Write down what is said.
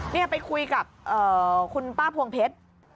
นี่ไปคุยกับคุณป้าพวงเพชร